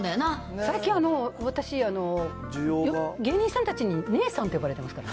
最近、私、芸人さんたちに姉さんって呼ばれてますからね。